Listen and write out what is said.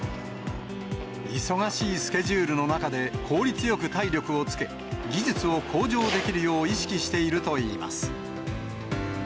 忙しいスケジュールの中で、効率よく体力をつけ、技術を向上できるよう意識しているといいます。